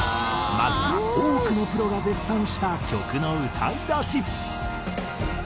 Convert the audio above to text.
まずは多くのプロが絶賛した曲の歌い出し。